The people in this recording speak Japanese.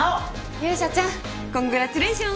勇者ちゃんコングラッチュレーション！